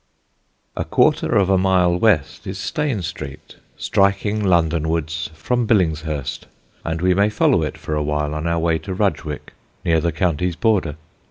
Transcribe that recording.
A quarter of a mile west is Stane Street, striking London wards from Billingshurst, and we may follow it for a while on our way to Rudgwick, near the county's border.